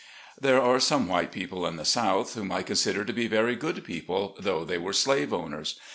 There are some white people in the South whom I consider to be very good people, though they were slave owners.